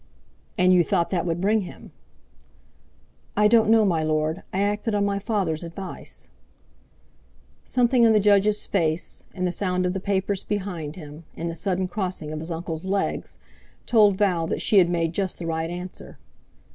"And you thought that would bring him?" "I don't know, my Lord, I acted on my father's advice." Something in the Judge's face, in the sound of the papers behind him, in the sudden crossing of his uncle's legs, told Val that she had made just the right answer.